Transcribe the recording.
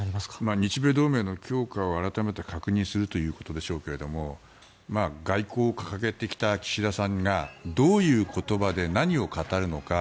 日米同盟の強化を、改めて確認するということでしょうけど外交を掲げてきた岸田さんがどういう言葉で何を語るのか。